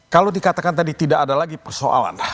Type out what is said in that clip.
kalau dikatakan tadi tidak ada lagi persoalan